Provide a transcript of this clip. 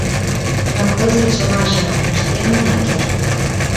Но кызыт чылажым ыштен она керт.